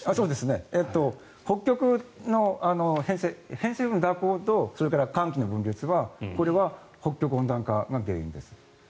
偏西風の蛇行とそれから寒気の分裂はこれは北極温暖化が原因です。